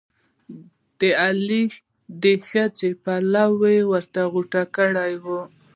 د علي د ښځې پلو یې ور غوټه کړی وو.